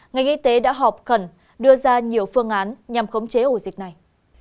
ngành y tế đã họp khẩn đưa ra nhiều phương án nhằm khống chế ổ dịch này